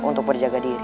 untuk perjaga diri